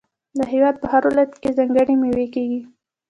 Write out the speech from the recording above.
د هیواد په هر ولایت کې ځانګړې میوې کیږي.